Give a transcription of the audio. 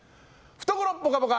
懐ぽかぽか！